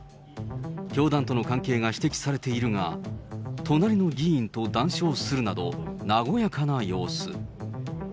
教団との関係が指摘されているが、隣の議員と談笑するなど、和やかな様子。